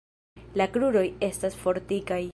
La kruroj estas fortikaj.